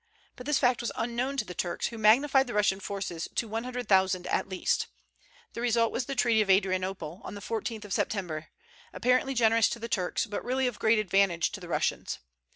But this fact was unknown to the Turks, who magnified the Russian forces to one hundred thousand at least. The result was the treaty of Adrianople, on the 14th of September, apparently generous to the Turks, but really of great advantage to the Russians.